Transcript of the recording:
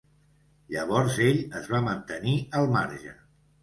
Llavors ell es va mantenir al marge.